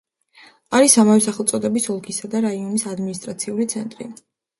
არის ამავე სახელწოდების ოლქისა და რაიონის ადმინისტრაციული ცენტრი.